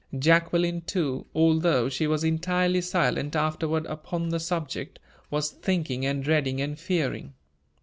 Jacqueline too, although she was entirely silent afterward upon the subject, was thinking and dreading and fearing.